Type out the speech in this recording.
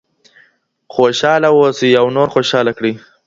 خوشحاله اوسئ او نور خوشحاله کړئ.